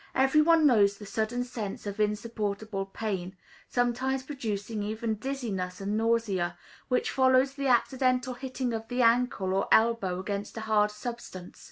Every one knows the sudden sense of insupportable pain, sometimes producing even dizziness and nausea, which follows the accidental hitting of the ankle or elbow against a hard substance.